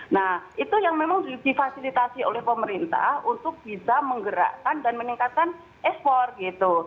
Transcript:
nah itu yang memang difasilitasi oleh pemerintah untuk bisa menggerakkan dan meningkatkan ekspor gitu